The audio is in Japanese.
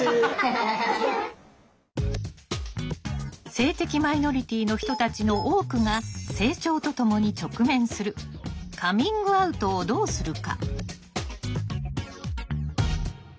性的マイノリティーの人たちの多くが成長とともに直面するカミングアウトをどうするか。